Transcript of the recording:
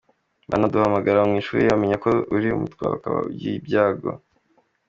Banaduhamagara mu ishuri bamenya ko uri umutwa ukaba ugize ibyago.